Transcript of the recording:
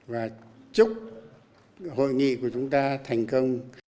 và chúc hội nghị của chúng ta thành công